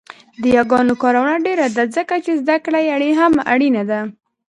د یاګانو کارونه ډېره ده ځکه يې زده کړه هم اړینه ده